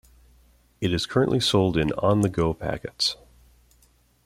It is currently sold in "On The Go" packets.